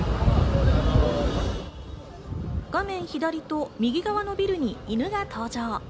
画面左と右側のビルに犬が登場。